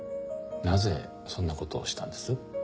なぜそんな事をしたんです？